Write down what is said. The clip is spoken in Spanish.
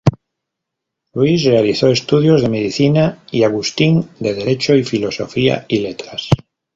Luis realizó estudios de Medicina y Agustín de Derecho y Filosofía y Letras.